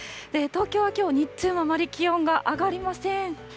東京はきょう、日中もあまり気温が上がりません。